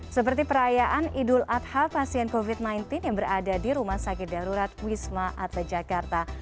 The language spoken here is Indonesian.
seperti perayaan idul adha pasien covid sembilan belas yang berada di rumah sakit darurat wisma atlet jakarta